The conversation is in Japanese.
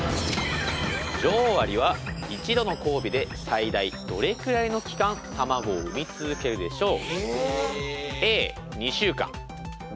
女王アリは一度の交尾で最大どれくらいの期間卵を産み続けるでしょう。